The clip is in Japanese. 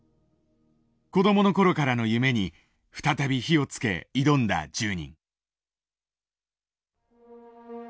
子どもの頃からの夢に再び火をつけ挑んだ１０人。